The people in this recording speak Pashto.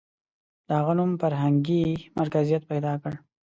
• د هغه نوم فرهنګي مرکزیت پیدا کړ.